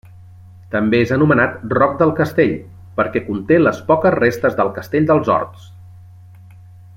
També és anomenat Roc del Castell perquè conté les poques restes del Castell dels Horts.